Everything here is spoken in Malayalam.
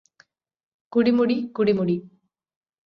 കുടിമുടി കുടിമുടി